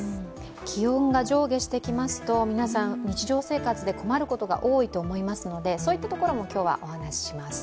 気温が上下してきますと皆さん、日常生活で困ることが多いと思いますので、そういったところも今日はお話しします。